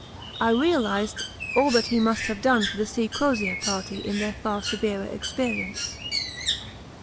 I realised all that he must have done for the C. Crozier Party in their far severer experience.